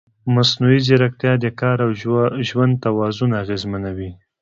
مصنوعي ځیرکتیا د کار او ژوند توازن اغېزمنوي.